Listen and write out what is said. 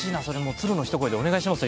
鶴の一声でお願いしますよ